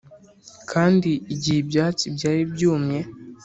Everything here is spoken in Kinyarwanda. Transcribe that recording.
kandi, igihe ibyatsi byari byumye,